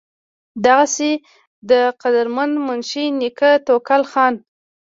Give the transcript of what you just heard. دغسې د قدرمند منشي نيکۀ توکل خان